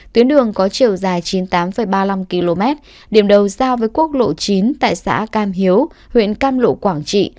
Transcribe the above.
tuyến đường có chiều dài chín mươi tám ba mươi năm km điểm đầu giao với quốc lộ chín tại xã cam hiếu huyện cam lộ quảng trị